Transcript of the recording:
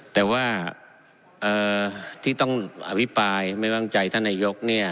แต่ที่ต้องอวิปัยไม้วางใจท่านนายกเนี่ย